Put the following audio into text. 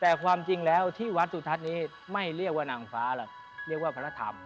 แต่ความจริงแล้วที่วัดสุทัศน์นี้ไม่เรียกว่านางฟ้าหรอกเรียกว่าพระธรรม